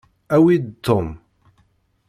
Awi-d Tom.